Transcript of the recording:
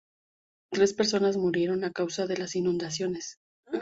Tres personas murieron a causa de las inundaciones.